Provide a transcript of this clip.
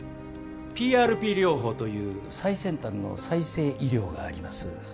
ＰＲＰ療法という最先端の再生医療があります